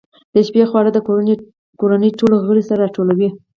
د شپې خواړه د کورنۍ ټول غړي سره راټولوي.